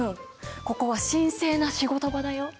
ここは神聖な仕事場だよ？